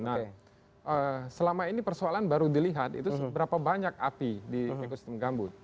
nah selama ini persoalan baru dilihat itu seberapa banyak api di ekosistem gambut